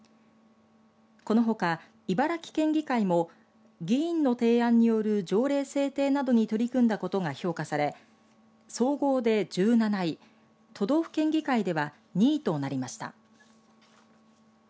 このほか、茨城県議会も議員の提案による条例制定などに取り組んだことが評価され総合で１７位都道府県議会では２位となりました。